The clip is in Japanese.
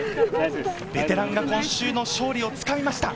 ベテランが今週の勝利をつかみました。